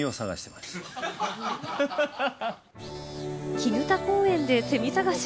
砧公園でセミ探し？